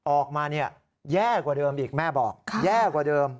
ออกมาแย่กว่าเดิมอีกแม่บอกแย่กว่าเดิม